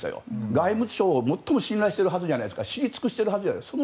外務省を最も信頼しているはずじゃないですか知り尽くしてるはずじゃないですか。